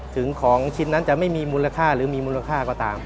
ถึงของชิ้นนั้นจะไม่มีมูลค่าหรือมีมูลค่าก็ตาม